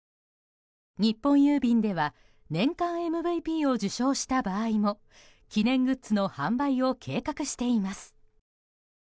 日本郵便では年間ＭＶＰを受賞した場合も記念グッズの販売を計画しています。